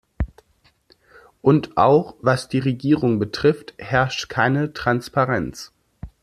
Und auch was die Regierung betrifft herrscht keine Transparenz.